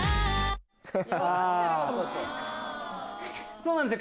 そうなんですよ